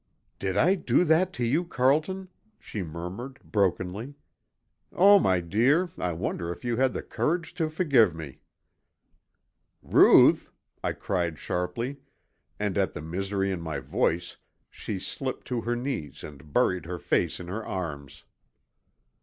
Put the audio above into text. "Did I do that to you, Carlton?" she murmured, brokenly. "Oh, my dear, I wonder you had the courage to forgive me!" "Ruth!" I cried sharply and at the misery in my voice she slipped to her knees and buried her face in her arms.